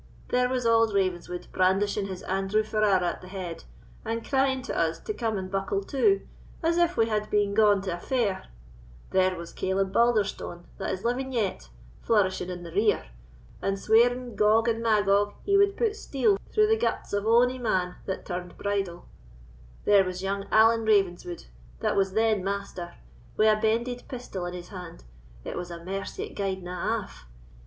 There was auld Ravenswood brandishing his Andrew Ferrara at the head, and crying to us to come and buckle to, as if we had been gaun to a fair; there was Caleb Balderstone, that is living yet, flourishing in the rear, and swearing Gog and Magog, he would put steel through the guts of ony man that turned bridle; there was young Allan Ravenswood, that was then Master, wi' a bended pistol in his hand—it was a mercy it gaed na aff!